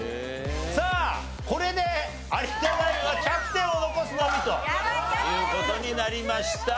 さあこれで有田ナインはキャプテンを残すのみという事になりました。